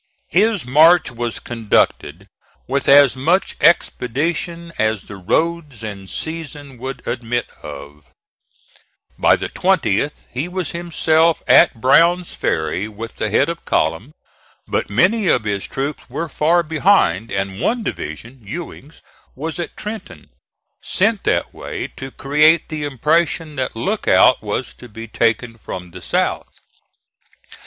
His march was conducted with as much expedition as the roads and season would admit of. By the 20th he was himself at Brown's Ferry with the head of column, but many of his troops were far behind, and one division (Ewing's) was at Trenton, sent that way to create the impression that Lookout was to be taken from the south.